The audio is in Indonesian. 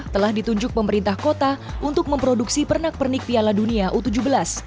telah ditunjuk pemerintah kota untuk memproduksi pernak pernik piala dunia u tujuh belas